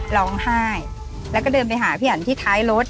ร้องไห้แล้วก็เดินไปหาพี่อันที่ท้ายรถ